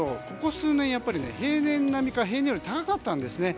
ここ数年、平年並みか平年より高かったんです。